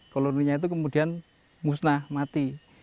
koloninya itu kemudian musnah mati